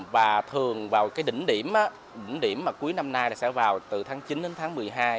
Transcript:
và thường vào đỉnh điểm cuối năm nay sẽ vào từ tháng chín đến tháng một mươi hai